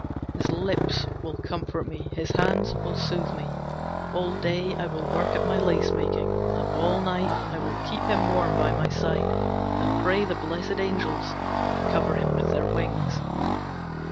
His lips will comfort me, his hands will soothe me. All day I will work at my lace making, and all night I will keep him warm by my side and pray the blessed Angels to cover him with their wings.